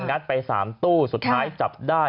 งัดไป๓ตู้สุดท้ายจับได้